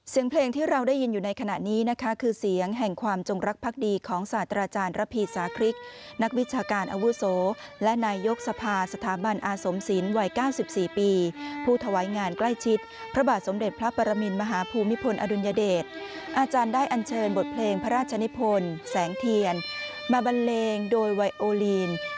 เพลงที่เราได้ยินอยู่ในขณะนี้นะคะคือเสียงแห่งความจงรักภักดีของศาสตราจารย์ระพีสาคริกนักวิชาการอาวุโสและนายยกสภาสถาบันอาสมศิลป์วัย๙๔ปีผู้ถวายงานใกล้ชิดพระบาทสมเด็จพระปรมินมหาภูมิพลอดุลยเดชอาจารย์ได้อันเชิญบทเพลงพระราชนิพลแสงเทียนมาบันเลงโดยไวโอลีน